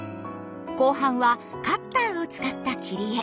後半はカッターを使った切り絵。